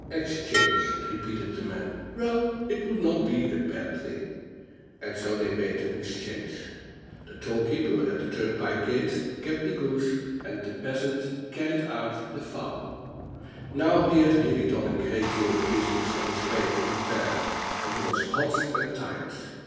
"Exchange," repeated the man; "well, it would not be a bad thing." And so they made an exchange, the toll keeper at the turnpike gate kept the goose, and the peasant carried off the fowl. Now he had really done a great deal of business on his way to the fair, and he was hot and tired.